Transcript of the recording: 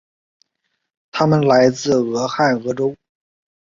他们来自俄亥俄州。